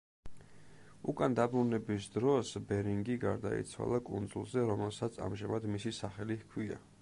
უკან დაბრუნების დროს ბერინგი გარდაიცვალა კუნძულზე, რომელსაც ამჟამად მისი სახელი ჰქვია.